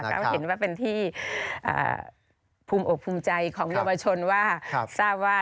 ก็เห็นว่าเป็นที่ภูมิโอกภูมิใจของบัญชนว่า